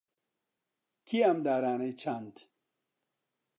کێ ئەم دارانەی چاند؟